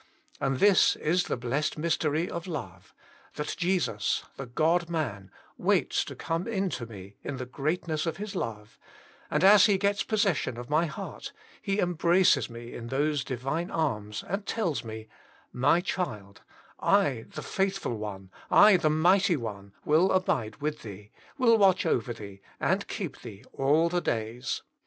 And this is the blessed mystery of love, that Jesus the G od man waits to come in to me in the greatness of His love; and as He gets possession of my heart, He embraces me in those divine arms and tells me, <« My child, I the Faith ful One, I the Mighty One will abide with thee, will watch over thee and keep thee all the days."